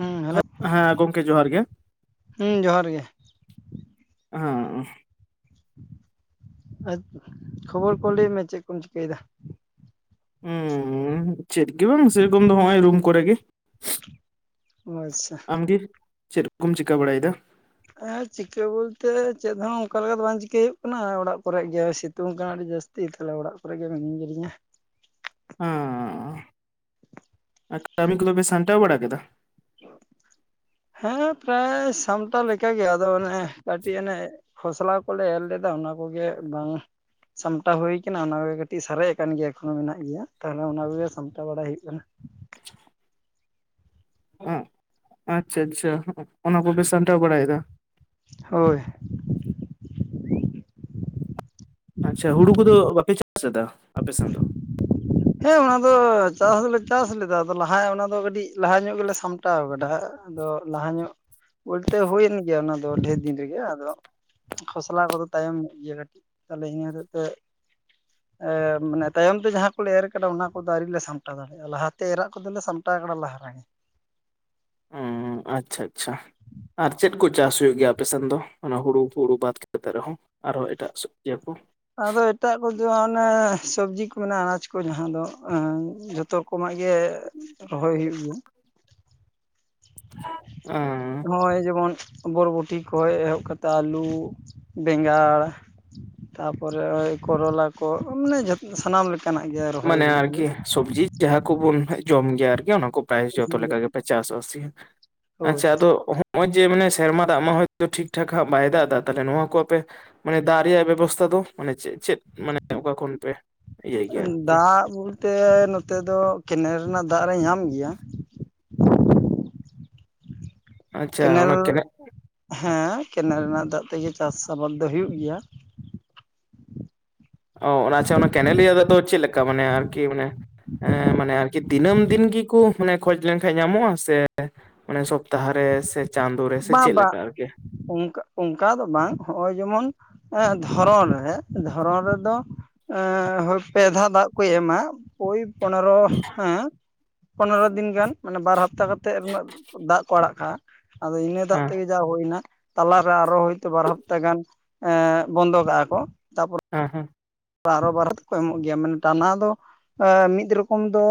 ᱦᱩᱸ ᱦᱮᱞᱳ ᱦᱮᱸ ᱜᱚᱝᱠᱮ ᱡᱚᱦᱟᱨ ᱜᱮ ᱦᱩ ᱡᱚᱦᱟᱨ ᱜᱮ ᱦᱟ ᱟᱪ ᱠᱷᱚᱵᱚᱨ ᱠᱚ ᱞᱟᱹᱭ ᱢᱮ ᱪᱮᱫ ᱠᱚᱢ ᱪᱤᱠᱟᱹᱭᱮᱫᱟ ᱾ ᱦᱚᱸ, ᱪᱮᱫ ᱜᱮ ᱵᱟᱝ ᱥᱮᱨᱚᱠᱚᱢ ᱫᱚ ᱱᱚᱜᱼᱚᱭ ᱨᱩᱢ ᱠᱚᱨᱮ ᱜᱮ ᱾ ᱚ ᱟᱪᱪᱷᱟ ᱟᱢᱜᱮ ᱪᱮᱫ ᱠᱚᱢ ᱪᱤᱠᱟᱹ ᱵᱟᱲᱟᱭᱮᱫᱟ ᱾ ᱦᱮᱸ ᱪᱤᱠᱟᱹ ᱵᱚᱞᱛᱮ ᱪᱮᱫ ᱦᱚᱸ ᱚᱱᱠᱟ ᱞᱮᱠᱟ ᱫᱚ ᱵᱟᱝ ᱪᱤᱠᱟᱹᱭ ᱦᱩᱭᱩᱜ ᱠᱟᱱᱟ, ᱚᱲᱟᱜ ᱠᱚᱨᱮ ᱜᱮ ᱥᱤᱛᱩᱝ ᱠᱟᱱᱟ ᱟᱹᱰᱤ ᱡᱟᱹᱥᱛᱤ ᱾ ᱛᱤᱛ ᱟᱞᱮ ᱚᱲᱟᱜ ᱠᱚᱨᱮᱜᱮ ᱢᱤᱱᱤᱧ ᱠᱤᱫᱤᱧᱟ ᱾ ᱦᱚᱸ ᱟᱨ, ᱠᱟᱹᱢᱤ ᱠᱚᱫᱚ ᱯᱮ ᱥᱟᱸᱴᱟᱣ ᱵᱟᱲᱟ ᱠᱮᱫᱟ ᱾ ᱦᱮᱸ ᱯᱨᱟᱭ ᱥᱟᱢᱴᱟᱣ ᱞᱮᱠᱟᱜᱮ ᱟᱫᱚ ᱚᱱᱮ ᱠᱟᱹᱴᱤᱡ ᱚᱱᱮ ᱠᱷᱚᱥᱞᱟ ᱠᱚᱞᱮ ᱮᱨ ᱞᱮᱫᱟ ᱚᱱᱟ ᱠᱚᱜᱮ ᱵᱟᱝ ᱟ ᱥᱟᱢᱴᱟᱣ ᱦᱩᱭ ᱠᱟᱱᱟ ᱚᱱᱟ ᱠᱚᱜᱮ ᱠᱟᱹᱴᱤᱡ ᱥᱟᱨᱮᱡ ᱟᱠᱟᱱ ᱜᱮᱭᱟ, ᱮᱠᱷᱚᱱ ᱦᱚᱸ ᱢᱮᱱᱟᱜ ᱜᱮᱭᱟ ᱛᱟᱦᱚᱞᱮ ᱚᱱᱟ ᱠᱚᱜᱮ ᱥᱟᱢᱴᱟᱣ ᱵᱟᱲᱟᱭ ᱦᱩᱭᱩᱜ ᱠᱟᱱᱟ ᱾ ᱦᱚᱸ, ᱟᱪᱪᱷᱟ ᱟᱪᱪᱷᱟ ᱚᱱᱟ ᱠᱚᱯᱮ ᱥᱟᱢᱴᱟᱣ ᱵᱟᱲᱟᱭᱮᱫᱟ ᱾ ᱦᱚᱭ ᱟᱪᱪᱷᱟ ᱦᱩᱲᱩ ᱠᱚᱫᱚ ᱵᱟᱯᱮ ᱪᱟᱥᱮᱫᱟ ᱟᱯᱮ ᱥᱮᱱ ᱫᱚ? ᱦᱮᱸ ᱚᱱᱟ ᱫᱚ, ᱪᱟᱥ ᱫᱚᱞᱮ ᱪᱟᱥ ᱞᱮᱫᱟ ᱟᱫᱚ ᱞᱟᱦᱟ ᱚᱱᱟ ᱫᱚ ᱠᱟᱹᱴᱤᱡ ᱞᱟᱦᱟ ᱧᱚᱜ ᱜᱮᱞᱮ ᱥᱟᱢᱴᱟᱣ ᱠᱟᱫᱟ ᱦᱟᱸᱜ ᱾ ᱟᱫᱚ ᱞᱟᱦᱟ ᱧᱚᱜ ᱵᱚᱞᱛᱮ ᱦᱩᱭᱮᱱ ᱜᱮᱭᱟ ᱚᱱᱟ ᱫᱚ ᱰᱷᱮᱨ ᱫᱤᱱ ᱨᱮᱜᱮ ᱟᱫᱚ ᱾ ᱠᱷᱚᱥᱞᱟ ᱠᱚᱫᱚ ᱛᱟᱭᱚᱢ ᱧᱚᱜ, ᱜᱮᱭᱟ ᱠᱟᱹᱴᱤᱡ ᱛᱟᱦᱚᱞᱮ ᱤᱱᱟᱹ ᱦᱚᱛᱮᱡ ᱛᱮ ᱮᱸ ᱢᱟᱱᱮ ᱛᱟᱭᱚᱢ ᱛᱮ ᱡᱟᱦᱟᱸ ᱚᱱᱰᱮ ᱮᱨ ᱠᱟᱫᱟ ᱚᱱᱟ ᱠᱚᱫᱚ ᱟᱣᱨᱤᱞᱮ ᱥᱟᱢᱴᱟᱣ ᱫᱟᱲᱮᱭᱟᱜᱼᱟ, ᱞᱟᱦᱟᱛᱮ ᱮᱨᱟᱜ ᱠᱚᱫᱚᱞᱮ ᱥᱟᱢᱴᱟᱣ ᱟᱠᱟᱫᱟ ᱞᱟᱦᱟ ᱨᱮᱜᱮ ᱾᱾ ᱦᱮᱸ ᱟᱪᱪᱷᱟ ᱟᱪᱪᱷᱟ ᱟᱨ ᱪᱮᱫ ᱠᱚ ᱪᱟᱥ ᱦᱩᱭᱩᱜ ᱜᱮᱭᱟ ᱟᱯᱮ ᱥᱮᱱ ᱫᱚ, ᱚᱱᱟ ᱦᱩᱲᱩ ᱠᱚ ᱦᱩᱲᱩ ᱵᱟᱫ ᱠᱟᱛᱮ ᱨᱮᱦᱚᱸ? ᱟᱨᱦᱚᱸ ᱮᱴᱟᱜ.. ᱤᱭᱟᱹ ᱠᱚ ᱟᱫᱚ ᱮᱴᱟᱜ ᱠᱚᱫᱚ ᱚᱱᱮ ᱥᱚᱵᱽᱡᱤ ᱠᱚ ᱢᱮᱱᱟᱜᱼᱟ ᱟᱱᱟᱡᱽ ᱠᱚ ᱡᱟᱦᱟᱸ ᱫᱚ ᱟᱩᱸ ᱡᱚᱛᱚ ᱨᱚᱠᱚᱢᱟᱜ ᱜᱮ ᱨᱚᱦᱚᱭ ᱦᱩᱭᱩᱜ ᱜᱮᱭᱟ ᱾ ᱩᱸ ᱦᱚᱭ ᱡᱮᱢᱚᱱᱼᱼ ᱵᱚᱨᱵᱚᱴᱤ ᱠᱷᱚᱡᱽ ᱮᱦᱚᱵ ᱠᱟᱛᱮᱫ ᱟᱹᱞᱩ, ᱵᱮᱸᱜᱟᱲ ᱛᱟᱯᱚᱨᱮ ᱚᱭ ᱠᱚᱨᱚᱞᱟ ᱠᱚ ᱢᱟᱱᱮ ᱥᱟᱱᱟᱢ ᱞᱮᱠᱟᱼᱼ ᱠᱟᱱᱟᱜ ᱜᱮ ᱟᱨ ᱢᱟᱱᱮ ᱟᱨᱠᱤ ᱥᱚᱵᱽᱡᱤ ᱡᱟᱦᱟᱸ ᱠᱚᱵᱩᱱ ᱡᱚᱢ ᱜᱮᱭᱟ, ᱟᱨᱠᱤ ᱚᱱᱟ ᱠᱚ ᱯᱨᱟᱭ ᱡᱚᱛᱚ ᱜᱮᱭᱟ ᱞᱮᱠᱟ ᱜᱮᱯᱮ ᱪᱟᱥ ᱟᱥᱤ ᱦᱳᱭ ᱟᱪᱪᱷᱟ ᱟᱫᱚ ᱱᱚᱜᱼᱚᱭ ᱡᱮ ᱢᱟᱱᱮ ᱥᱮᱨᱢᱟ ᱫᱟᱜ ᱢᱟ ᱦᱚᱭᱛᱚ, ᱴᱷᱤᱠ ᱴᱷᱟᱠ ᱦᱟᱸᱜ ᱵᱟᱭ ᱫᱟᱜ ᱮᱫᱟ ᱛᱟᱞᱦᱮ ᱱᱚᱣᱟ ᱠᱚ ᱟᱯᱮ ᱢᱟᱱᱮ ᱫᱟᱜ ᱨᱮᱭᱟᱜ ᱵᱮᱵᱚᱥᱛᱷᱟ ᱫᱚ ᱢᱟᱱᱮ ᱪᱮᱫ ᱪᱮᱫ ᱢᱟᱱᱮ ᱚᱠᱟ ᱠᱷᱚᱱ ᱯᱮ ᱤᱭᱟᱹᱭ ᱜᱮᱭᱟ ᱟᱨᱠᱤ ᱾ ᱫᱟᱜ ᱵᱚᱞᱛᱮ ᱱᱚᱛᱮ ᱫᱚ ᱠᱮᱱᱟᱞ ᱨᱮᱱᱟᱜ ᱫᱟᱜ ᱨᱮ ᱧᱟᱢ ᱜᱮᱭᱟ ᱾ ᱟᱪᱪᱷ ᱠᱮᱱᱮᱞ ᱚᱱᱟ ᱠᱮᱱᱮ ᱦᱮᱸ ᱠᱮᱱᱮᱞ ᱨᱮᱱᱟᱜ ᱫᱟᱜ ᱛᱮᱜᱮ ᱪᱟᱥ ᱟᱵᱟᱫᱽ ᱫᱚ ᱦᱩᱭᱩᱜ ᱜᱮᱭᱟ ᱾ ᱚᱸ ᱚᱱᱟ ᱟᱪᱷᱟ ᱚᱱᱟ ᱠᱮᱱᱮᱞᱤᱭᱟᱹ ᱨᱮᱫᱚ ᱪᱮᱫ ᱞᱮᱠᱟ ᱢᱟᱱᱮ ᱟᱨᱠᱤ ᱢᱟᱱᱮ ᱮᱸ ᱢᱟᱱᱮ ᱟᱨᱠᱤ ᱫᱤᱱᱟᱹᱢ ᱫᱤᱱ ᱜᱮᱠᱚ ᱢᱟᱱᱮ ᱠᱷᱚᱡᱽ ᱞᱮᱱᱠᱷᱟᱱ ᱧᱟᱢᱚᱜᱼᱟ ᱥᱮ ᱟᱱᱮ ᱥᱚᱯᱛᱟᱦᱚᱨᱮ ᱥᱮ ᱪᱟᱸᱫᱚ ᱨᱮ ᱥᱮ ᱵᱟᱝ ᱪᱮᱫ ᱵᱟᱝ ᱞᱮᱠᱟ ᱟᱨᱠᱤ? ᱚᱱᱠᱟ ᱚᱱᱠᱟ ᱫᱚ ᱵᱟᱝ ᱦᱚᱸᱜᱼᱚᱭ ᱡᱮᱢᱚᱱ ᱮᱦᱸ ᱫᱷᱚᱨᱚᱱ ᱨᱮ, ᱫᱷᱚᱨᱚᱱ ᱨᱮᱫᱚ ᱮᱮᱸ ᱦᱳᱭ ᱯᱮ ᱫᱷᱟᱣ ᱫᱟᱜ ᱠᱚ ᱮᱢᱟ ᱳᱭ ᱯᱚᱱᱮᱨᱚ ᱦᱮᱸ ᱯᱚᱱᱮᱨᱚ ᱫᱤᱱ ᱜᱟᱱ ᱾ ᱢᱟᱱᱮ ᱵᱟᱨ ᱦᱟᱯᱛᱟ ᱠᱟᱛᱮᱫ ᱨᱮᱱᱟᱜ ᱫᱟᱜ ᱠᱚ ᱟᱲᱟᱜ ᱠᱟᱜᱼᱟ ᱟᱫᱚ ᱤᱱᱟᱹ ᱫᱟᱜ ᱦᱮᱸ ᱛᱮᱜᱮ ᱡᱟ ᱦᱩᱭᱱᱟ ᱾ ᱛᱟᱞᱟᱨᱮ ᱟᱨᱚ ᱦᱳᱭᱛᱳ ᱵᱟᱨ ᱦᱟᱯᱛᱟ ᱮᱸ ᱜᱟᱱ ᱵᱚᱱᱫᱚ ᱠᱟᱜᱼᱟ ᱠᱚ ᱾ [inaudible] ᱵᱟᱨᱚ ᱵᱟᱨᱚ ᱛᱮᱠᱚ ᱮᱢᱚᱜ ᱜᱮᱭᱟ ᱢᱟᱱᱮ ᱴᱟᱱᱟ ᱫᱚ ᱟ ᱢᱤᱫ ᱨᱚᱠᱚᱢ ᱫᱚ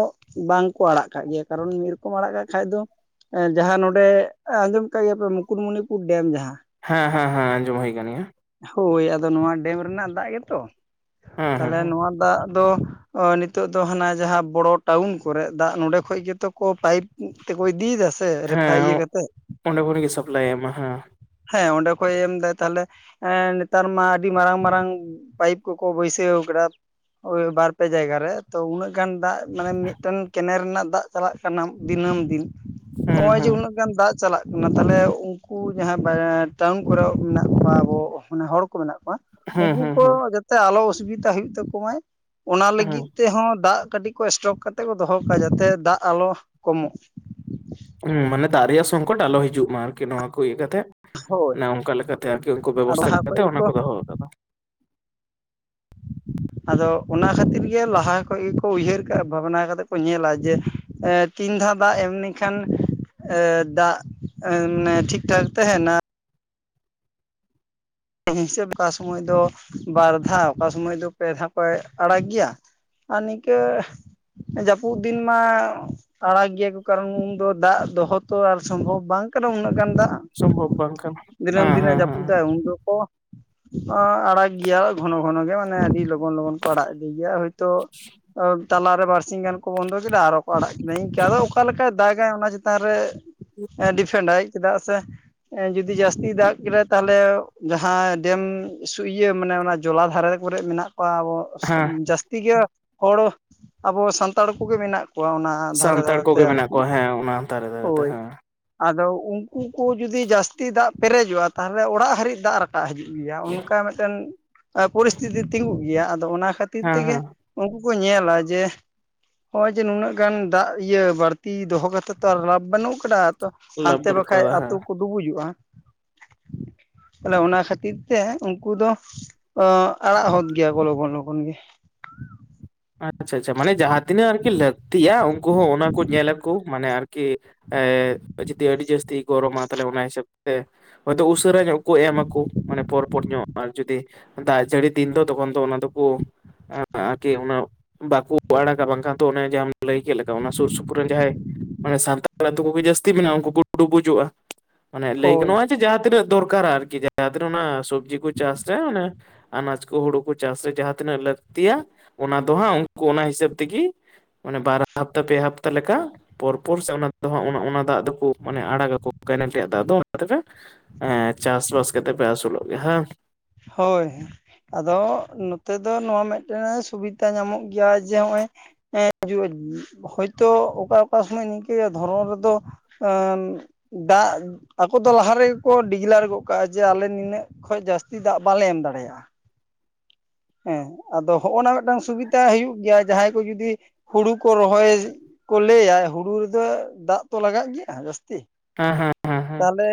ᱵᱟᱝ ᱠᱚ ᱟᱲᱟᱜ ᱠᱟᱜ ᱜᱮᱭᱟ ᱠᱟᱨᱚᱱ ᱢᱤᱫ ᱨᱚᱠᱚᱢ ᱟᱲᱟᱜ ᱠᱟᱜ ᱠᱷᱟᱡᱽ ᱫᱚ ᱮᱸ ᱡᱟᱦᱟᱸ ᱱᱚᱸᱰᱮ ᱟᱸᱡᱚᱢ ᱠᱟᱜ ᱜᱮᱭᱟᱯᱮ ᱢᱩᱠᱩᱴᱢᱩᱱᱤᱯᱩᱨ ᱰᱮᱢ ᱡᱟᱦᱟᱸ ᱦᱮᱸ ᱦᱮᱸ ᱦᱮᱸ ᱟᱸᱡᱚᱢ ᱦᱩᱭ ᱠᱟᱱ ᱜᱮᱭᱟ ᱾ ᱦᱳᱭ ᱟᱫᱚ ᱱᱚᱣᱟ ᱰᱮᱢ ᱨᱮᱱᱟᱜ ᱫᱟᱜ ᱜᱮᱛᱚ ᱦᱮᱸ ᱦᱮᱸ ᱛᱟᱞᱦᱮ ᱦᱮᱸ ᱱᱚᱣᱟ ᱫᱟᱜ ᱫᱚ [inaudible] ᱱᱤᱛᱚᱜ ᱫᱚ ᱦᱟᱱᱟ ᱡᱟᱦᱟᱸ ᱵᱚᱲᱚ ᱴᱟᱣᱩᱱ ᱠᱚᱨᱮ ᱫᱟᱜ ᱱᱚᱸᱰᱮ ᱠᱷᱚᱡᱽ ᱜᱮᱛᱚ ᱠᱚ ᱯᱟᱭᱤᱯ ᱛᱮᱠᱚ ᱤᱫᱤᱭ ᱫᱟᱥᱮ ᱨᱮᱯᱷᱟ ᱤᱭᱟᱹ ᱦᱮᱸ ᱠᱟᱛᱮᱫ ᱾ ᱚᱸᱰᱮ ᱠᱷᱚᱱ ᱜᱮ ᱥᱟᱯᱞᱟᱭ ᱮᱢᱟ ᱦᱮᱸ, ᱦᱮᱸ ᱚᱸᱰᱮ ᱠᱷ ᱮᱢᱫᱟ‌ ᱛᱟᱦᱞᱮ ᱮ ᱱᱮᱛᱟᱨ ᱢᱟ ᱟᱹᱰᱤ ᱢᱟᱨᱟᱝ ᱢᱟᱨᱟᱝ ᱯᱟᱭᱤᱯ ᱠᱚᱠᱚ ᱵᱟᱹᱭᱥᱟᱹᱣ ᱟᱠᱟᱫᱟ ᱵᱟᱨ ᱯᱮ ᱡᱟᱭᱜᱟ ᱨᱮ, ᱛᱚ ᱩᱱᱟᱹᱜ ᱜᱟᱱ ᱫᱟᱜ ᱢᱟᱱᱮ ᱢᱤᱫᱴᱮᱱ ᱠᱮᱱᱮᱞ ᱨᱮᱱᱟᱜ ᱫᱟᱜ ᱪᱟᱞᱟᱜ ᱠᱟᱱᱟ ᱫᱤᱱᱟᱹᱢ ᱫᱤᱱ, ᱦᱮᱸ ᱱᱚᱜ ᱚᱭ ᱡᱮ ᱦᱮᱸ ᱩᱱᱟᱹᱜ- ᱜᱟᱱ ᱫᱟᱜ ᱪᱟᱞᱟᱜ ᱠᱟᱱᱟ ᱛᱟᱦᱚᱞᱮ ᱩᱱᱠᱩ ᱡᱟᱦᱟᱸᱭ ᱴᱟᱣᱩᱱ ᱠᱚᱨᱮ ᱢᱮᱱᱟᱜ ᱠᱚᱣᱟ ᱟᱵᱚ ᱢᱟᱱᱮ ᱦᱚᱲ ᱠᱚ ᱢᱮᱱᱟᱜ ᱠᱚᱣᱟ ᱦᱮᱸ ᱩᱱᱠᱩ ᱦᱮᱸ ᱠᱚ ᱦᱮᱸ ᱡᱟ- ᱛᱮ ᱟᱞᱚ ᱚᱥᱩᱵᱤᱫᱟ ᱦᱩᱭᱩᱜ ᱛᱟᱠᱚᱢᱟᱭ ᱚᱱᱟ ᱦᱮᱸ ᱞᱟᱹᱜᱤᱫ ᱛᱮᱦᱚᱸ ᱫᱟᱜ ᱠᱟᱹᱴᱤᱡ ᱠᱚ ᱥᱴᱚᱠ ᱠᱟᱛᱮ ᱠᱚ ᱫᱚᱦᱚ ᱠᱟᱜᱼᱟ ᱡᱟᱛᱮ ᱫᱟᱜ ᱟᱞᱚ ᱠᱚᱢᱚᱜ, ᱦᱩᱸ ᱢᱟᱱᱮ ᱫᱟᱜ ᱨᱮᱭᱟᱜ ᱥᱚᱝᱠᱚᱴ ᱟᱞᱚ ᱦᱤᱡᱩᱜ ᱢᱟ ᱟᱨᱠᱤ ᱱᱚᱣᱟ ᱠᱚ ᱤᱭᱟᱹ ᱠᱟᱛᱮᱜ᱾ ᱦᱳᱭ ᱚᱱᱮ ᱚᱱᱠᱟ ᱞᱮᱠᱟᱛᱮ ᱟᱨᱠᱤ ᱩᱱᱠᱩ ᱟᱨ ᱵᱮᱵᱚᱥᱛᱷᱟ ᱞᱟᱦᱟ ᱠᱷᱚᱡ ᱠᱟᱛᱮ ᱚᱱᱟ ᱜᱮᱠᱚ ᱠᱚ ᱫᱚᱦᱚ ᱟᱠᱟᱫᱟ᱾ ᱟᱫᱚ ᱚᱱᱟ ᱠᱷᱟᱹᱛᱤᱨ ᱜᱮ ᱞᱟᱦᱟ ᱠᱷᱚᱡᱽ ᱜᱮᱠᱚ ᱩᱭᱦᱟᱹᱨ ᱠᱟᱜᱼᱟ ᱵᱷᱟᱵᱽᱱᱟ ᱠᱟᱛᱮ ᱠᱚ ᱧᱮᱞᱟ ᱡᱮ, ᱮ ᱛᱤᱱ ᱫᱷᱟᱣ ᱫᱟᱜ ᱮᱢᱱᱤ ᱠᱷᱟᱱ ᱫᱟᱜ ᱢᱟᱱᱮ ᱴᱷᱤᱠᱴᱷᱟᱠ ᱛᱟᱦᱮᱱᱟ᱾ ᱦᱤᱥᱟᱹᱵᱽ ᱚᱠᱟ ᱥᱚᱢᱚᱭ ᱫᱚ ᱵᱟᱨ ᱫᱷᱟᱣ ᱚᱠᱟ ᱥᱚᱢᱚᱭ ᱫᱚ ᱯᱮ ᱫᱷᱟᱣ ᱠᱚ ᱟᱲᱟᱜ ᱜᱮᱭᱟ, ᱟᱨ ᱱᱤᱝᱠᱟᱹ ᱡᱟᱹᱯᱩᱫ ᱫᱤᱱ ᱢᱟ ᱟᱲᱟᱜ ᱜᱮᱭᱟ ᱠᱚ ᱠᱟᱨᱚᱱ ᱩᱱ ᱫᱚ ᱫᱟᱜ ᱫᱚᱦᱚ ᱛᱚ ᱟᱨ ᱥᱚᱢᱵᱷᱚᱵ ᱵᱟᱝ ᱠᱟᱱᱟ ᱩᱱᱟᱹᱜ ᱜᱟᱱ ᱫᱟᱜ ᱥᱚᱢᱵᱷᱚᱵ ᱵᱟᱝ ᱠᱟᱱᱟ ᱫᱤᱱᱟᱹᱢ ᱦᱮᱸ ᱫᱤᱱᱮ ᱦᱮᱸ ᱦᱮᱸ ᱡᱟᱹᱯᱩᱫᱟᱭ ᱩᱱ ᱫᱚᱠᱚ ᱟᱲᱟᱜ ᱜᱮᱭᱟ ᱜᱷᱚᱱᱚ ᱜᱷᱚᱱᱚᱜᱮ ᱢᱟᱱᱮ ᱟᱹᱰᱤ ᱞᱚᱜᱚᱱ ᱞᱚᱜᱚᱱ ᱠᱚ ᱟᱲᱟᱜ ᱤᱫᱤᱭ ᱜᱮᱭᱟ ᱦᱳᱭᱛᱳ ᱛᱟᱞᱟᱮ ᱵᱟᱨᱥᱤᱝ ᱜᱟᱱ ᱠᱚ ᱵᱚᱱᱫᱚ ᱠᱮᱫᱟ ᱟᱨᱚ ᱠᱚ ᱟᱲᱟᱜ ᱠᱮᱫᱟ ᱤᱱᱠᱟᱹ ᱟᱫᱚ ᱚᱠᱟ ᱞᱮᱠᱟᱭ ᱫᱟᱜᱟᱭ ᱚᱱᱟ ᱪᱮᱛᱟᱱ ᱨᱮ ᱰᱤᱯᱮᱱᱰᱟᱭ, ᱪᱮᱫᱟᱜ ᱥᱮ ᱡᱩᱫᱤ ᱡᱟᱹᱥᱛᱤ ᱫᱟᱜ ᱠᱮᱫᱟ ᱛᱟᱦᱚᱞᱮ ᱡᱟᱦᱟᱸ ᱰᱮᱢ ᱤᱭᱟᱹ ᱢᱟᱱᱮ ᱚᱱᱟ ᱡᱚᱞᱟ ᱫᱷᱟᱨᱮ ᱠᱚᱨᱮ ᱢᱮᱱᱟᱜ ᱠᱚᱣᱟ ᱟᱵᱚ ᱦᱮᱸ ᱡᱟᱹᱥᱛᱤ ᱜᱮ ᱦᱚᱲ ᱟᱵᱚ ᱥᱟᱱᱛᱟᱲ ᱠᱚᱜᱮ ᱢᱮᱱᱟᱜ ᱠᱚᱣᱟ ᱚᱱᱟ ᱫᱷᱟᱨᱮ ᱥᱟᱱᱛᱟᱲ ᱫᱷᱟᱨᱮᱛᱮ ᱠᱚᱜᱮ ᱢᱮᱱᱟᱜ ᱟᱨᱠᱤ ᱠᱚᱣᱟ ᱦᱮᱸ ᱚᱱᱟ ᱟᱨᱮ ᱨᱮᱫᱚ, ᱦᱳᱭ, ᱟᱫᱚ ᱩᱱᱠᱩ ᱠᱚ ᱡᱩᱫᱤ ᱡᱟᱹᱥᱛᱤ ᱫᱟᱜ ᱯᱮᱨᱮᱡᱚᱜᱼᱟ ᱛᱟᱦᱚᱞᱮ ᱚᱲᱟᱜ ᱦᱟᱹᱨᱤᱡ ᱫᱟᱜ ᱨᱟ ᱠᱟᱜ ᱦᱤᱡᱩᱜ ᱜᱮᱭᱟ ᱚᱱᱠᱟ ᱢᱤᱫᱴᱮᱱ ᱯᱚᱨᱤᱥᱛᱷᱤᱛᱤ ᱛᱤᱸᱜᱩᱜ ᱜᱮᱭᱟ ᱟᱫᱚ ᱚᱱᱟ ᱠᱷᱟᱹᱛᱤᱨ ᱦᱮᱸ ᱛᱮᱜᱮ ᱦᱮᱸ ᱩᱱᱠᱩ ᱠᱚ ᱧᱮᱞᱟ ᱡᱮ ᱦᱚᱜᱼᱚᱭ ᱡᱮ ᱱᱩᱱᱟᱹᱜ ᱜᱟᱱ ᱫᱟᱜ ᱤᱭᱟᱹ ᱵᱟᱹᱲᱛᱤ ᱫᱚᱦᱚ ᱠᱟᱛᱮ ᱛᱚ ᱞᱟᱵᱷ ᱵᱟᱹᱱᱩᱜ ᱠᱟᱫᱟ ᱛᱚ ᱞᱟᱵᱷ ᱦᱟᱱᱛᱮ ᱵᱟᱹᱱᱩᱜ ᱵᱟᱠᱷᱟᱡ ᱠᱟᱫᱟ ᱟᱹᱛᱩ ᱦᱮᱸ ᱠᱚ ᱰᱩᱵᱩᱡᱚᱜᱼᱟ᱾ ᱛᱟᱞᱮ ᱚᱱᱟ ᱠᱷᱟᱹᱛᱤᱨ ᱛᱮ ᱩᱱᱠᱩ ᱫᱚ ᱚ ᱟᱲᱟᱜ ᱦᱚᱫ ᱜᱮᱭᱟ ᱠᱚ ᱞᱚᱜᱚᱱ ᱞᱚᱜᱚᱱ ᱜᱮ᱾ ᱟᱪᱪᱷᱟ ᱟᱪᱪᱷᱟ ᱢᱟᱱᱮ ᱡᱟᱦᱟᱸ ᱛᱤᱱᱟᱹᱜ ᱟᱨᱠᱤ ᱞᱟᱹᱠᱛᱤᱜᱼᱟ ᱩᱱᱠᱩ ᱦᱚᱸ ᱚᱱᱟ ᱠᱚ ᱧᱮᱞ ᱟᱠᱚ ᱢᱟᱱᱮ ᱟᱨ ᱠᱤ ᱮᱸ ᱡᱩᱫᱤ ᱟᱹᱰᱤ ᱤ ᱡᱟᱹᱥᱛᱤ ᱜᱚᱨᱚᱢᱟ ᱛᱟᱦᱞᱮ ᱚᱱᱟ ᱦᱤᱥᱟᱹᱵᱽ ᱛᱮ, ᱦᱚᱭᱛᱳ ᱩᱥᱟᱹᱨᱟ ᱧᱚᱜ ᱠᱚ ᱮᱢᱟᱠᱚ ᱢᱟᱱᱮ ᱯᱚᱨᱯᱚᱨ ᱧᱚᱜ ᱟᱨ ᱡᱩᱫᱤ ᱫᱟᱜ ᱡᱟᱹᱲᱤ ᱫᱤᱱ ᱫᱚ ᱛᱚᱠᱷᱚᱱ ᱫᱚ ᱚᱱᱟ ᱫᱚᱠᱚ ᱟᱨᱠᱤ ᱚᱱᱟ ᱵᱟᱠᱚ ᱟᱲᱟᱜᱟ ᱵᱟᱝᱠᱷᱟᱱ ᱛ ᱚᱱᱮ ᱡᱟᱦᱟᱸᱢ ᱞᱟᱹᱭ ᱠᱮᱫ ᱞᱮᱠᱟ ᱚᱱᱟ ᱥᱩᱨ ᱥᱩᱯᱩᱨ ᱨᱮᱱ ᱡᱟᱦᱟᱸᱭ ᱢᱟᱱᱮ ᱥᱟᱱᱛᱟᱲ ᱟᱹᱛᱩ ᱠᱚᱜᱮ ᱡᱟᱹᱥᱛᱤ ᱢᱮᱱᱟᱜᱼᱟ ᱩᱱᱠᱩ ᱠᱚ ᱰᱩᱵᱩᱡᱚᱜᱼᱟ᱾ ᱢᱟᱱᱮ ᱞᱟᱹᱭ ᱦᱳᱭ ᱜᱟᱱᱚᱜᱼᱟ ᱡᱟᱦᱟᱸ ᱛᱤᱱᱟᱹᱜ ᱫᱚᱨᱠᱟᱨᱟ ᱟᱨᱠᱤ ᱡᱟᱦᱟᱸ ᱛᱤᱱᱟᱹᱜ ᱚᱱᱟ ᱥᱚᱵᱡᱤ ᱠᱚ ᱪᱟᱥᱟ ᱚᱱᱮ ᱟᱱᱟᱡ ᱠᱚ ᱦᱩᱲᱩ ᱠᱚ ᱪᱟᱥ ᱨᱮ ᱡᱟᱦᱟᱸ ᱛᱤᱱᱟᱹᱜ ᱞᱟᱹᱠᱛᱤᱭᱟ ᱚᱱᱟ ᱫᱚ ᱦᱟᱸᱜ ᱩᱱᱠᱩ ᱚᱱᱟ ᱦᱤᱥᱟᱹᱵ ᱛᱮᱜᱤ ᱢᱟᱱᱮ ᱵᱟᱨᱟ ᱦᱟᱯᱛᱟ ᱯᱮ ᱦᱟᱯᱛᱟ ᱞᱮᱠᱟ ᱯᱚᱨᱯᱚᱨ ᱥᱮ ᱚᱱᱟ ᱫᱚ ᱚᱱᱟ ᱫᱟᱜ ᱫᱚᱠᱚ ᱢᱟᱱᱮ ᱟᱲᱟᱜᱟᱚ ᱠᱮᱱᱮᱞ ᱨᱮᱭᱟᱜ ᱫᱟᱜ ᱫᱚ ᱚᱱᱟ ᱛᱮᱜᱮ ᱮᱸ ᱪᱟᱥ ᱵᱟᱥ ᱠᱟᱛᱮ ᱯᱮ ᱟᱥᱩᱞᱚᱜ ᱜᱮᱭᱟ ᱵᱟᱝ? ᱦᱳᱭ ᱟᱫᱚ ᱱᱚᱛᱮ ᱫᱚ ᱱᱚᱣᱟ ᱢᱤᱫᱴᱮᱱ ᱥᱩᱵᱤᱫᱟ ᱧᱟᱢᱚᱜ ᱜᱮᱭᱟ ᱡᱮ ᱱᱚᱜ ᱚᱭ ᱦᱮ ᱦᱤᱡᱩᱜ ᱦᱳᱭᱛᱳ ᱚᱠᱟ ᱚᱠᱟ ᱥᱚᱢᱚᱭ ᱱᱤᱝᱠᱟᱹᱭᱟᱭ ᱫᱷᱚᱨᱚᱢ ᱨᱮᱫᱚ ᱟᱨ ᱫᱟᱜ ᱟᱠᱚ ᱫᱚ ᱞᱟᱦᱟ ᱨᱮᱜᱮ ᱠᱚ ᱰᱤᱜᱽᱞᱟᱨ ᱜᱚᱫ ᱠᱟᱜᱼᱟ ᱡᱮ ᱟᱞᱮ ᱱᱤᱱᱟᱹᱜ ᱠᱷᱚᱱ ᱡᱟᱹᱥ ᱛᱤ ᱫᱟᱜ ᱵᱟᱞᱮ ᱮᱢ ᱫᱟᱲᱮᱭᱟᱜᱼᱟ᱾ ᱦᱮᱸ ᱟᱫᱚ ᱦᱚᱜᱼᱚ ᱱᱟ ᱢᱤᱫᱴᱟᱝ ᱥᱩᱵᱤᱫᱷᱟ ᱦᱩᱭᱩᱜ ᱜᱮᱭᱟ ᱡᱟᱦᱟᱸᱭ ᱠᱚ ᱡᱩᱫᱤ ᱦᱩᱲᱩ ᱠᱚ ᱨᱚᱦᱚᱭ ᱠᱚ ᱞᱟᱹᱭᱟ ᱦᱩᱲᱩ ᱨᱮᱫᱚ ᱫᱟᱜ ᱛᱚ ᱞᱟᱜᱟᱜ ᱜᱮᱭᱟ ᱡᱟᱹᱥᱛᱤ᱾ ᱦᱮᱸ ᱦᱮᱸ ᱦᱮᱸ ᱦᱮᱸ ᱛᱟᱞᱮ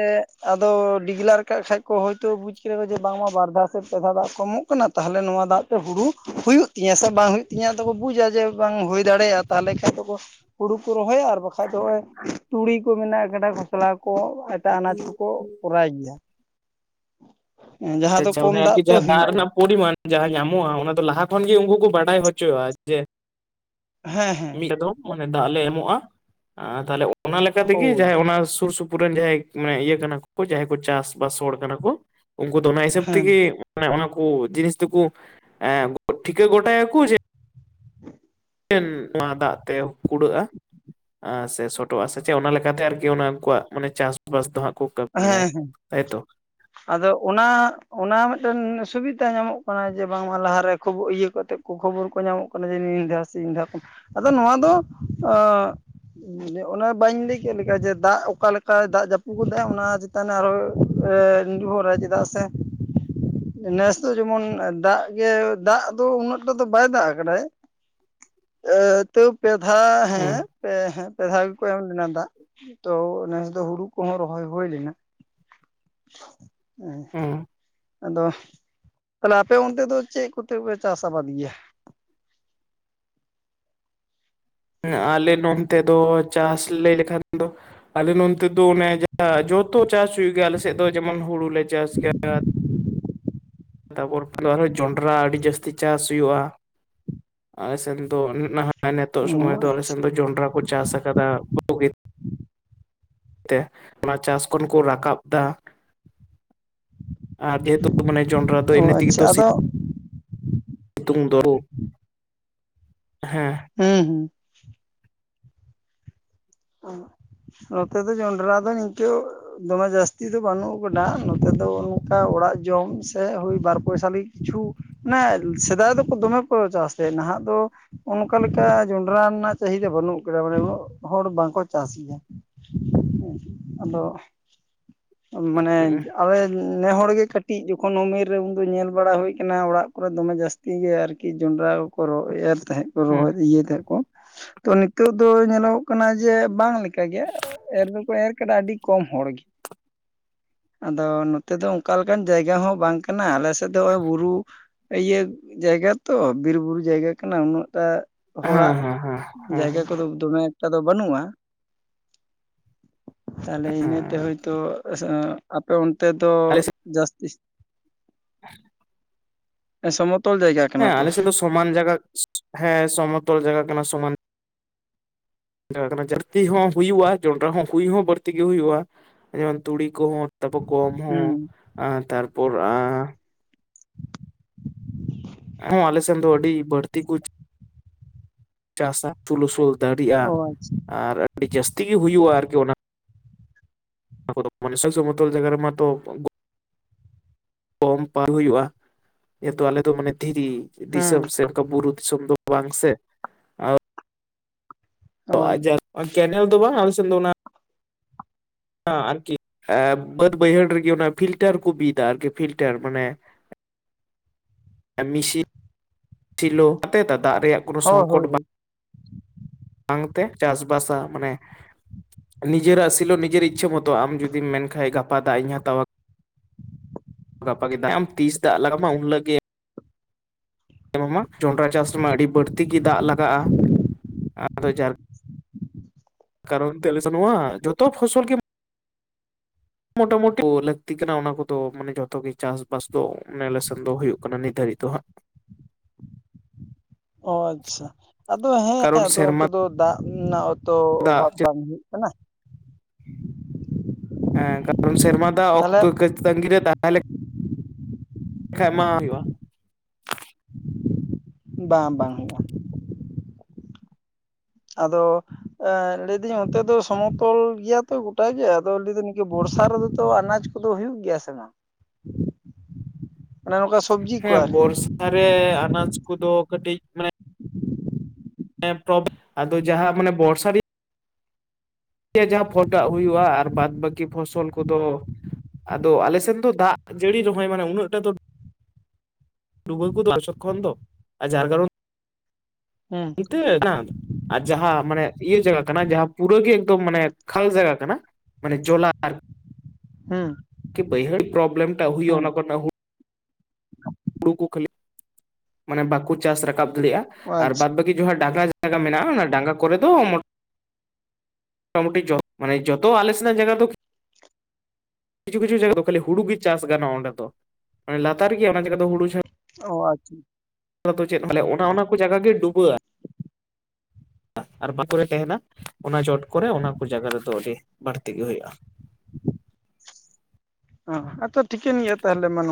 ᱟᱫᱚ ᱰᱤᱜᱽᱞᱟᱨ ᱠᱟᱜ ᱠᱷᱟᱡ ᱠᱚ ᱦᱳᱭᱛᱳ ᱵᱩᱡ ᱠᱮᱫ ᱠᱚ ᱡᱮ ᱵᱟᱝᱢᱟ ᱵᱟᱨ ᱵᱟᱨ ᱯᱮ ᱫᱷᱟ ᱫᱟᱜ ᱠᱚᱢᱚᱜ ᱠᱟᱱᱟ [unintelligible] [unintelligible] ᱱᱚᱣᱟ ᱫᱟᱜ ᱛᱮ ᱦᱩᱲᱩ ᱦᱩᱭᱩᱜ ᱛᱤᱧᱟᱹ ᱥᱮ ᱵᱟᱝ ᱦᱩᱭᱩᱜ ᱛᱤᱧᱟᱹ ᱟᱫᱚ ᱠᱚ ᱵᱩᱡᱟ ᱡᱮ ᱵᱟᱝ ᱦᱩᱭ ᱫᱟᱲᱮᱭᱟᱜᱼᱟ ᱛᱟᱞᱦᱮ ᱠᱷᱟᱡ ᱫᱚᱠᱚ ᱼᱼ ᱦᱩᱲᱩ ᱠᱚ ᱨᱚᱦᱚᱭᱟ ᱟᱨ ᱵᱟᱠᱷᱟᱡ ᱫᱚ ᱱᱚᱜᱚᱭ ᱛᱩᱲᱤ ᱠᱚ ᱢᱮᱱᱟᱜᱼᱟ ᱠᱟᱰᱟ ᱜᱷᱚᱥᱞᱟ ᱠᱚ ᱼᱼ ᱮᱴᱟᱜ ᱟᱱᱟᱡ ᱠᱚᱠᱚ ᱠᱚᱨᱟᱭ ᱜᱮᱭᱟ ᱾ ᱟᱪᱪᱷᱟ ᱚᱱᱮ ᱟᱨᱠᱤ ᱡᱟᱦᱟᱸ ᱫᱟᱜ ᱨᱮᱱᱟᱜ ᱯᱚᱨᱤᱢᱟᱱ ᱡᱟᱦᱟᱸ ᱧᱟᱢᱚᱜᱼᱟ ᱚᱱᱟ ᱫᱚ ᱞᱟᱦᱟ ᱠᱷᱚᱱ ᱜᱮ ᱩᱱᱠᱩ ᱠᱚ ᱵᱟᱰᱟᱭ ᱦᱚᱪᱚᱜᱼᱟ ᱾ ᱡᱮ ᱦᱮᱸ ᱦᱮᱸ ᱢᱤᱫᱴᱮ ᱫᱚ ᱫᱟᱜ ᱞᱮ ᱮᱢᱚᱜᱼᱟ ᱟ ᱛᱟᱞᱮ ᱼᱼ ᱚᱱᱟ ᱞᱮᱠᱟ ᱛᱤᱜᱤ ᱦᱳᱭ ᱡᱟᱦᱟᱸᱭ ᱚᱱᱟ ᱥᱩᱨ ᱥᱩᱯᱩᱨ ᱨᱮᱱ ᱡᱟᱦᱟᱸᱭ ᱢᱟᱱᱮ ᱤᱭᱟᱹ ᱠᱟᱱᱟ ᱠᱚ ᱡᱟᱦᱟᱸᱭ ᱠᱚ ᱪᱟᱥ ᱵᱟᱥ ᱦᱚᱲ ᱠᱟᱱᱟ ᱠᱩ ᱼᱼ ᱚᱱᱟ ᱦᱤᱥᱟᱹᱵ ᱦᱮᱸ ᱛᱤᱜᱤ ᱚᱱᱟ ᱠᱩ ᱡᱤᱱᱤᱥ ᱫᱩᱠᱩ ᱮ ᱴᱷᱤᱠᱟᱹ ᱜᱚᱴᱟᱭᱟᱠᱩ ᱡᱮ ᱼᱼ ᱢᱤᱫᱴᱮᱱ ᱱᱚᱣᱟ ᱫᱟᱜ ᱛᱮ ᱠᱩᱲᱟᱹᱜᱼᱟ ᱾ ᱟ ᱥᱮ ᱥᱚᱴᱚᱜᱼᱟ ᱥᱮ ᱪᱮᱫ ᱚᱱᱟ ᱞᱮᱠᱟᱛᱮ ᱟᱨᱠᱤ ᱚᱱᱟ ᱩᱱᱠᱩᱣᱟᱜ ᱢᱟᱱᱮ ᱪᱟᱥᱵᱟᱥ ᱫᱚ ᱦᱟᱸᱜ ᱠᱩ ᱼᱼ ᱦᱮᱸ ᱦᱮᱸ ᱟᱫᱚ ᱚᱱᱟ ᱚᱱᱟ ᱢᱤᱫᱴᱮᱱ ᱥᱩᱵᱤᱫᱟ ᱧᱟᱢᱚᱜ ᱠᱟᱱᱟ ᱡᱮ ᱵᱟᱝᱢᱟ ᱞᱟᱦᱟᱨᱮ ᱠᱷᱚᱵᱚ ᱤᱭᱟᱹ ᱠᱟᱛᱮᱜ ᱠᱚ ᱠᱷᱚᱵᱚᱨ ᱠᱚ ᱧᱟᱢᱚᱜ ᱠᱟᱱᱟ- ᱠᱟᱱᱟ ᱡᱮ ᱱᱤᱱ ᱫᱷᱟᱣ ᱥᱮ ᱤᱱ ᱫᱷᱟᱣ ᱟᱫᱚ ᱱᱚᱣᱟ ᱫᱚ ᱢᱟᱱᱮ ᱚᱱᱟ ᱵᱟᱹᱧ ᱞᱟᱹᱭ ᱠᱮᱫ ᱞᱮᱠᱟ ᱡᱮ ᱫᱟᱜ ᱚᱠᱟᱞᱮᱠᱟ ᱫᱟᱜ ᱡᱟᱹᱯᱩᱫ ᱼᱼ ᱚᱱᱟ ᱪᱮᱛᱟᱱ ᱟᱨᱦᱚ ᱱᱤᱨᱵᱷᱚᱨᱟᱭ ᱪᱮᱫᱟᱜ ᱥᱮ ᱾ ᱱᱮᱥ ᱫᱚ ᱡᱮᱢᱚᱱ ᱫᱟᱜ ᱜᱮ ᱫᱟᱜ ᱫᱚ ᱩᱱᱟᱹᱜᱴᱟ ᱫᱚ ᱵᱟᱭ ᱫᱟᱜ ᱟᱠᱟᱫᱟᱭ ᱾ ᱟ ᱛᱚ ᱯᱮᱫᱷᱟ ᱦᱩᱸ ᱦᱮᱸ ᱼᱼ ᱯᱮ ᱦᱮᱸ ᱯᱮ ᱫᱷᱟᱣ ᱜᱮᱠᱚ ᱮᱢ ᱞᱮᱱᱟ ᱫᱟᱜ ᱛᱚ ᱱᱮᱥ ᱫᱚ ᱦᱩᱲᱩ ᱠᱚᱦᱚᱸ ᱨᱚᱦᱚᱭ ᱼᱼ ᱦᱩᱭᱞᱤᱱᱟ ᱦᱩᱸ ᱾ ᱟᱫᱚ ᱛᱟᱞᱮ ᱟᱯᱮ ᱚᱱᱛᱮ ᱫᱚ ᱪᱮᱫ ᱠᱚᱛᱮ ᱯᱮ ᱪᱟᱥ ᱟᱵᱟᱫ ᱜᱮᱭᱟ? ᱟᱞᱮ ᱱᱚᱱᱛᱮ ᱫᱚ ᱪᱟᱥ ᱞᱟᱹᱭ ᱞᱮᱠᱷᱟᱱ ᱫᱚ ᱟᱞᱮ ᱱᱚᱱᱛᱮ ᱫᱚ ᱚᱱᱮ ᱡᱚᱛᱚ ᱪᱟᱥ ᱦᱩᱭᱩᱜ ᱜᱮᱭᱟ ᱟᱞᱮ ᱥᱮᱫ ᱫᱚ ᱡᱮᱢᱚᱱ ᱦᱩᱲᱩ ᱞᱮ ᱪᱟᱥ ᱜᱮᱭᱟ ᱾ ᱛᱟᱯᱚᱨ ᱡᱚᱱᱰᱨᱟ ᱟᱹᱰᱤ ᱡᱟᱹᱥᱛᱤ ᱪᱟᱥ ᱦᱩᱭᱩᱜᱼᱟ ᱾ ᱟᱞᱮ ᱥᱮᱱ ᱫᱚ ᱱᱟᱦᱟᱜ ᱱᱤᱛᱳᱜ ᱥᱚᱢᱚᱭ ᱚ ᱫᱚ ᱟᱞᱮ ᱥᱮᱱ ᱫᱚ ᱡᱚᱱᱰᱨᱟ ᱠᱚ ᱪᱟᱥ ᱟᱠᱟᱫᱟ ᱵᱩᱜᱤ ᱼᱼ ᱛᱮ ᱚᱱᱟ ᱪᱟᱥ ᱠᱷᱚᱱ ᱠᱚ ᱨᱟᱠᱟᱵ ᱫᱟ ᱾ ᱟᱨ ᱡᱮᱦᱮᱛᱩ ᱢᱟᱱᱮ ᱡᱚᱱᱰᱨᱟ ᱫᱚ ᱮᱢᱱᱤ ᱛᱤᱜᱤ ᱛᱚ ᱟᱪᱪᱷᱟ ᱼᱼ ᱟᱫᱚ ᱥᱤᱭᱩᱜ ᱫᱚ ᱦᱮᱸ ᱾ ᱦᱩᱸ ᱦᱩᱸ ᱾ ᱱᱚᱛᱮ ᱫᱚ ᱡᱚᱱᱰᱨᱟ ᱫᱚ ᱱᱤᱠᱟᱹ ᱼᱼ ᱫᱚᱢᱮ ᱡᱟᱹᱥᱛᱤ ᱫᱚ ᱵᱟᱹᱱᱩᱜ ᱠᱟᱫᱟ ᱱᱚᱛᱮ ᱫᱚ ᱚᱱᱠᱟ ᱚᱲᱟᱜ ᱡᱚᱢ ᱥᱮ ᱦᱳᱭ ᱵᱟᱨ ᱯᱚᱭᱥᱟᱞᱤ ᱾ ᱠᱤᱪᱷᱩ ᱢᱟᱱᱮ ᱥᱮᱫᱟᱭ ᱫᱚᱠᱚ ᱫᱚᱢᱮ ᱠᱚ ᱪᱟᱥ ᱛᱟᱦᱮᱜ ᱱᱟᱦᱟᱜ ᱫᱚ ᱼᱼ ᱚᱱᱠᱟ ᱞᱮᱠᱟ ᱡᱚᱸᱰᱨᱟ ᱨᱮᱱᱟᱜ ᱪᱟᱹᱦᱤᱫᱟ ᱵᱟᱹᱱᱩᱜ ᱠᱟᱫᱟ ᱢᱟᱱᱮ ᱩᱱᱟᱹᱜ ᱦᱚᱲ ᱵᱟᱝ ᱼᱼ ᱠᱚ ᱪᱟᱥ ᱜᱮᱭᱟ ᱟᱫᱚ ᱢᱟᱱᱮ ᱦᱮᱸ ᱟᱞᱮ ᱼᱼ ᱱᱮ ᱦᱚᱲ ᱜᱮ ᱠᱟᱹᱴᱤᱡ ᱡᱚᱠᱷᱚᱱ ᱩᱢᱮᱨ ᱨᱮ ᱩᱱᱫᱚ ᱧᱮᱞ ᱵᱟᱲᱟ ᱦᱩᱭ ᱠᱟᱱᱟ ᱚᱲᱟᱜ ᱠᱚᱨᱮ ᱫᱚᱢᱮ [unintelligible] ᱛᱤᱜᱮ ᱟᱨᱠᱤ ᱡᱚᱸᱰᱨᱟ ᱠᱚᱠᱚ ᱨᱚᱜ ᱮᱨ ᱛᱟᱦᱮᱸᱫ ᱾ ᱦᱮᱸ ᱨᱚᱦᱚᱭ ᱤᱭᱟᱹᱭ ᱛᱟᱦᱮᱸᱫ ᱠᱚ ᱛᱚ ᱱᱤᱛᱚᱜ ᱫᱚ ᱧᱮᱞᱚᱜᱚᱜ ᱠᱟᱱᱟ ᱡᱮ ᱵᱟᱝ ᱼᱼ ᱮᱨ ᱫᱚᱠᱚ ᱮᱨ ᱠᱮᱫᱟ ᱟᱹᱰᱤ ᱠᱚᱢ ᱦᱚᱲ ᱜᱮ ᱾ ᱟᱫᱚ ᱱᱚᱛᱮ ᱫᱚ ᱚᱱᱠᱟ ᱞᱮᱠᱟᱱ ᱡᱟᱭᱜᱟ ᱦᱚᱸ ᱵᱟᱝ ᱠᱟᱱᱟ ᱟᱞᱮ ᱥᱮᱫ ᱫᱚ ᱦᱚᱜᱼᱚᱭ ᱵᱩᱨᱩ ᱼᱼ ᱤᱭᱟᱹ ᱡᱟᱭᱜᱟ ᱛᱚ ᱵᱤᱨ ᱵᱩᱨᱩ ᱡᱟᱭᱜᱟ ᱠᱟᱱᱟ ᱩᱱᱟᱹᱜᱴᱟᱜ ᱼᱼ ᱦᱮᱸ ᱦᱚᱲᱟᱜ ᱦᱮᱸ ᱦᱮᱸ ᱦᱮᱸ ᱡᱟᱭᱜᱟ ᱠᱚᱫᱚ ᱫᱚᱢᱮ ᱼᱼ ᱮᱴᱟ ᱫᱚ ᱵᱟᱹᱱᱩᱜᱼᱟ ᱛᱟᱞᱮ ᱤᱱᱟᱹᱛᱮ ᱦᱮᱸ ᱦᱳᱭᱛᱳ ᱼᱼ ᱟᱯᱮ ᱚᱱᱛᱮ ᱫᱚ ᱟᱞᱮ ᱥᱮᱫ ᱡᱟᱹᱥᱛᱤᱥ [inaudible] ᱥᱚᱢᱚᱛᱚᱞ ᱡᱟᱭᱜᱟ ᱠᱟᱱᱟ ᱦᱮᱸ ᱛᱚ ᱟᱞᱮᱥᱮᱫ ᱫᱚ ᱥᱚᱢᱟᱱ ᱡᱟᱭᱜᱟ ᱦᱮᱸ ᱥᱚᱢᱚᱛᱚᱞ ᱡᱟᱭᱜᱟ ᱠᱟᱱᱟ ᱥᱚᱢᱟᱱ ᱼᱼ ᱠᱟᱱᱟ ᱡᱟᱹᱥᱛᱤ ᱦᱚᱸ ᱦᱩᱭᱩᱜᱼᱟ ᱡᱚᱱᱰᱨᱟ ᱦᱚᱸ ᱦᱩᱭ ᱦᱚᱸ ᱵᱟᱹᱲᱛᱤ ᱜᱮ ᱦᱩᱭᱩᱜᱼᱟ ᱡᱮᱢᱚᱱ ᱛᱩᱲᱤ ᱠᱚᱦᱚᱸ ᱼᱼ ᱛᱟᱯᱚ ᱠᱚᱢ ᱦᱩᱸ ᱦᱚᱸ ᱛᱟᱨᱯᱚᱨ ᱟ ᱼᱼ ᱦᱳ ᱟᱞᱮᱥᱮᱱ ᱫᱚ ᱟᱹᱰᱤ ᱵᱟᱹᱲᱛᱤ ᱠᱩ ᱼᱼ ᱪᱟᱥᱟ ᱯᱩᱞᱩᱥᱩ ᱫᱟᱲᱤᱜᱼᱟ ᱚ ᱟᱪᱪᱷᱟ ᱟᱨ ᱟᱹᱰᱤ ᱡᱟᱹᱥᱛᱤ ᱜᱮ ᱦᱩᱭᱩᱜᱼᱟ ᱟᱨᱠᱤ ᱚᱱᱟ ᱼᱼ ᱚᱱᱟ ᱠᱚᱫᱚ ᱥᱚᱢᱚᱛᱚᱞ ᱡᱟᱜᱟ ᱨᱮᱢᱟᱛᱚ ᱼᱼ [unintelligible] ᱦᱩᱭᱩᱜᱼᱟ ᱡᱮᱦᱛᱩ ᱟᱞᱮ ᱫᱚ ᱢᱟᱱᱮ ᱫᱷᱤᱨᱤ ᱼᱼ ᱦᱮᱸ ᱫᱤᱥᱚᱢ ᱥᱮ ᱚᱱᱠᱟ ᱵᱩᱨᱩ ᱫᱤᱥᱚᱢ ᱫᱚ ᱵᱟᱝ ᱥᱮ ᱾ ᱦᱳᱭ [unintelligible] ᱠᱮᱱᱮᱞ ᱫᱚ ᱵᱟᱝ ᱟᱞᱮ ᱥᱮᱱ ᱫᱚ ᱚᱱᱟ ᱟᱨᱠᱤ ᱮᱸᱜ ᱵᱟᱹᱫ ᱵᱟᱹᱭᱦᱟᱹᱲ ᱨᱮᱜᱮ ᱚᱱᱟ ᱯᱷᱤᱞᱴᱟᱨ ᱠᱚ ᱵᱤᱫᱟ ᱟᱨᱠᱤ ᱯᱷᱤᱞᱴᱟᱨ ᱢᱟᱱᱮ ᱢᱤᱥᱤᱱ ᱥᱮᱞᱳ ᱫᱟᱜᱽ ᱨᱮᱭᱟᱜ ᱠᱳᱱᱳ ᱦᱳᱭ ᱥᱚᱝᱠᱚᱴ ᱦᱳᱭ ᱵᱟᱝ ᱦᱳᱭ ᱵᱟᱝᱛᱮ ᱪᱟᱥᱵᱟᱥᱟ ᱢᱟᱱᱮ ᱱᱤᱡᱮᱨᱟᱜ ᱥᱤᱞᱳ ᱱᱤᱡᱮᱨ ᱤᱪᱪᱷᱟᱹ ᱢᱚᱛᱚ ᱟᱢ ᱡᱩᱫᱤᱢ ᱢᱮᱱᱠᱷᱟᱡ ᱜᱟᱯᱟ ᱫᱟᱜᱽ ᱤᱧ ᱦᱟᱛᱟᱣᱟ ᱜᱟᱯᱟᱜᱮ ᱫᱟᱜᱽ ᱮᱢ ᱛᱤᱥ ᱫᱟᱜᱽ ᱞᱟᱜᱟᱣ ᱢᱟ ᱩᱱ ᱞᱤᱞᱳᱜ ᱜᱮ ᱢᱟ ᱡᱚᱱᱰᱟᱨᱟ ᱪᱟᱥ ᱨᱮᱢᱟ ᱟᱹᱰᱤ ᱵᱟᱹᱲᱛᱤ ᱜᱮ ᱫᱟᱜᱽ ᱞᱟᱜᱟᱜᱼᱟ ᱟᱫᱚ ᱡᱟ ᱠᱟᱨᱚᱱ ᱛᱮᱞᱮ ᱥᱮ ᱟᱱᱼᱟ ᱡᱚᱛᱚ ᱯᱷᱚᱥᱚᱞ ᱜᱮ ᱢᱳᱴᱟ ᱢᱩᱴᱤ ᱞᱟᱹᱠᱛᱤ ᱠᱟᱱᱟ ᱚᱱᱟ ᱠᱚᱫᱚ ᱢᱟᱱᱮ ᱡᱚᱛᱚ ᱜᱮ ᱪᱟᱥᱵᱟᱥ ᱫᱚ ᱟᱞᱮ ᱥᱮᱱ ᱫᱚ ᱦᱩᱭᱩᱜ ᱠᱟᱱᱟ ᱱᱤᱛ ᱫᱷᱟᱨᱤᱡ ᱫᱚ ᱦᱟᱸᱜ ᱚ ᱟᱪᱪᱷᱟ ᱟᱫᱚ ᱦᱮᱸ ᱠᱟᱨᱚᱱ ᱟᱫᱚ ᱥᱮᱨᱢᱟ ᱚᱱᱛᱮ ᱫᱚ ᱫᱟᱜᱽ ᱨᱮᱱᱟᱜ ᱛᱚ ᱫᱟᱜ ᱚᱵᱷᱟᱵᱽ ᱵᱟᱝ ᱱᱩ [unintelligible] ᱦᱮᱸ ᱠᱟᱨᱚᱢ ᱥᱮᱨᱢᱟ ᱫᱟᱜᱽ ᱛᱟᱦᱚᱞᱮ ᱚᱠᱛᱚ ᱛᱟᱜᱤ ᱨᱮ ᱫᱟᱜᱽ ᱛᱟᱦᱚᱞᱮ ᱠᱷᱟᱹᱡ ᱢᱟ ᱦᱩᱭᱩᱜᱼᱟ ᱵᱟᱝ ᱵᱟᱝ ᱦᱩᱭᱩᱜᱼᱟ᱾ ᱟᱫᱚ ᱞᱟᱹᱭ ᱫᱟᱹᱧ ᱚᱱᱛᱮ ᱫᱚ ᱥᱚᱢᱚᱛᱚᱞ ᱜᱮᱭᱟ ᱛᱚ ᱜᱚᱴᱟᱜᱮ ᱟᱫᱚ ᱞᱟᱹᱭ ᱫᱟᱹᱧ ᱱᱤᱠᱟᱹ ᱵᱚᱨᱥᱟ ᱨᱮᱫᱚ ᱛᱚ ᱟᱱᱟᱡ ᱠᱚ ᱠᱚᱫᱚ ᱦᱩᱭᱩᱜ ᱜᱮᱭᱟ ᱥᱮ ᱵᱟᱝ [inaudible] ᱚᱱᱮ ᱱᱚᱝᱠᱟ ᱥᱚᱵᱡᱤ ᱦᱮᱸ ᱵᱚᱨᱥᱟ ᱨᱮ ᱟᱱᱟᱡ ᱠᱚᱫᱚ ᱠᱟᱹᱴᱤᱡᱽ ᱢᱟᱱᱮ ᱟᱫᱚ ᱡᱟᱦᱟᱸ ᱢᱟᱱᱮ ᱵᱚᱨᱥᱟ ᱨᱤ ᱡᱟᱦᱟᱸ ᱯᱷᱚᱴ ᱫᱟᱜ ᱦᱩᱭᱩᱜᱼᱟ ᱟᱨ ᱵᱟᱫ ᱵᱟᱹᱠᱤ ᱯᱷᱚᱥᱚᱞ ᱠᱚᱫᱚ ᱟᱫᱚ ᱟᱞᱮ ᱥᱮᱱ ᱫᱚ ᱫᱟᱜᱽ ᱡᱟᱹᱲᱤ ᱨᱮᱦᱚᱸᱚᱭ ᱢᱟᱱᱮ ᱩᱱᱟᱹᱜᱴᱟ ᱫᱚ ᱰᱩᱵᱟᱹᱭ ᱠᱚ ᱟᱥᱚᱞ ᱠᱷᱚᱱ ᱫᱚ ᱟᱨ ᱡᱟᱨ ᱠᱚᱱᱛᱮ ᱦᱩᱸ ᱱᱮᱛᱚᱜ ᱠᱟᱱᱟ ᱟᱨ ᱡᱟᱦᱟᱸ ᱢᱟᱱᱮ ᱤᱭᱟᱹ ᱡᱟᱭᱜᱟ ᱠᱟᱱᱟ ᱡᱟᱦᱟᱸ ᱯᱩᱨᱟᱹ ᱜᱮ ᱮᱠᱫᱚᱢ ᱢᱟᱱᱮ ᱠᱷᱟᱞ ᱡᱟᱭᱜᱟ ᱠᱟᱱᱟ ᱢᱟᱱᱮ ᱡᱚᱞᱟᱨ ᱦᱩᱸ ᱵᱟᱹᱭᱦᱟᱹᱲ ᱯᱨᱚᱵᱮᱢ ᱴᱟᱜ ᱦᱩᱭᱩᱜᱼᱟ ᱦᱩᱸ ᱚᱱᱟ ᱠᱚ ᱨᱮᱱᱟ ᱦᱩᱞ [inaudible] ᱦᱩᱲᱩ ᱠᱚ ᱠᱷᱟᱹᱞᱤ ᱢᱟᱱᱮ ᱵᱟᱠᱚ ᱪᱟᱥ ᱨᱟᱠᱟᱵ ᱫᱟᱲᱮᱭᱟᱜᱼᱟ ᱟᱨ ᱟᱪᱪᱷᱟ ᱵᱟᱫ ᱵᱟᱹᱠᱤ ᱡᱟᱦᱟᱸ ᱰᱟᱸᱜᱟ ᱡᱟᱭᱜᱟ ᱢᱮᱱᱟᱜᱼᱟ ᱚᱱᱟ ᱰᱟᱸᱜᱟ ᱠᱚᱨᱮ ᱫᱚ ᱢᱚᱴᱟ ᱢᱩᱴᱤ ᱡᱚ ᱢᱟᱱᱮ ᱡᱚᱛᱚ ᱟᱞᱮ ᱥᱮᱱᱟᱜ ᱡᱟᱭᱜᱟ ᱫᱚ ᱠᱤᱪᱷᱩ ᱠᱤᱪᱷᱩ ᱡᱟᱭᱜᱟ ᱠᱷᱟᱞᱤ ᱦᱩᱲᱩ ᱜᱮ ᱪᱟᱥ ᱜᱚᱱᱚᱜᱼᱟ ᱚᱸᱰᱮ ᱫᱚ ᱞᱟᱛᱟᱨ ᱜᱮ ᱚᱱᱟ ᱡᱟᱭᱜᱟ ᱫᱚ ᱦᱩᱲᱩ ᱪᱷᱟ ᱚ ᱟᱪᱪᱷᱟ ᱫᱚ ᱪᱮᱫ ᱚᱱᱟ ᱚᱱᱟ ᱠᱚ ᱡᱟᱭᱜᱟ ᱜᱮ ᱰᱩᱵᱟᱹᱜᱼᱟ ᱟᱨ ᱯᱟᱛᱷᱩ ᱨᱮ ᱛᱟᱦᱮᱱᱟ ᱚᱱᱟ ᱪᱚᱴ ᱠᱚᱨᱮ ᱚᱱᱟ ᱠᱚ ᱡᱟᱭᱜᱟ ᱨᱮᱫᱚ ᱟᱹᱰᱤ ᱵᱟᱹᱲᱛᱤ ᱜᱮ ᱦᱩᱭᱩᱜᱼᱟ᱾ ᱟᱪᱷᱟ ᱴᱷᱤᱠᱟᱹᱱ ᱜᱮᱭᱟ ᱛᱟᱦᱚᱞᱮ ᱢᱟᱱᱮ